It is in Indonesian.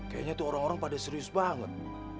kayaknya tuh orang orang pada serius banget